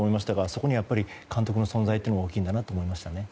そこにはやっぱり監督の存在が大きいんだなと感じました。